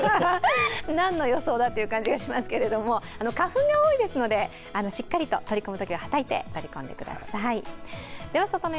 何の予想だという感じがしますけれども、花粉が多いですのでしっかりと取り込むときははたいて取り込んでください。